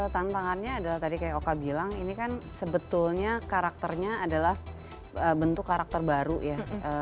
tantangannya adalah tadi kayak oka bilang ini kan sebetulnya karakternya adalah bentuk karakter baru ya